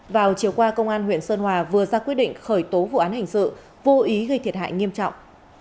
vào chiều qua công an huyện sơn hòa vừa ra quyết định khởi tố vụ án hình sự vô ý gây thiệt hại nghiêm trọng